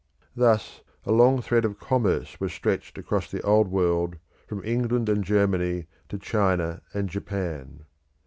Thus a long thread of commerce was stretched across the Old World from England and Germany to China and Japan.